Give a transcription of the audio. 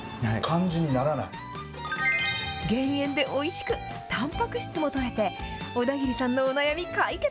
減塩でおいしく、たんぱく質もとれて、小田切さんのお悩み解決。